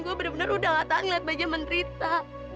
gue bener bener udah gak tahan ngeliat bajak menderita